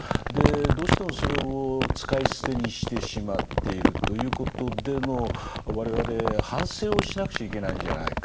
どうしてもそれを使い捨てにしてしまっているということでの我々反省をしなくちゃいけないんじゃないか。